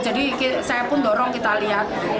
jadi saya pun dorong kita lihat